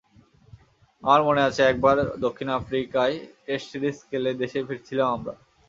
আমার মনে আছে একবার দক্ষিণ আফ্রিকায় টেস্ট সিরিজ খেলে দেশে ফিরলাম আমরা।